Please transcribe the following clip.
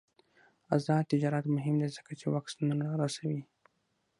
آزاد تجارت مهم دی ځکه چې واکسینونه رسوي.